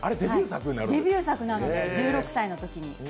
デビュー作なので、１６歳のときに。